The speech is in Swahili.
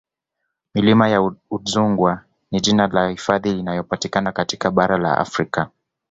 Milima ya Udzungwa ni jina la hifadhi inayopatikana katika bara la Afrika